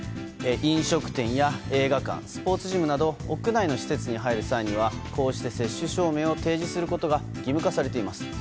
飲食店や映画館スポーツジムなど屋内の施設に入る際には接種証明を提示することが義務化されています。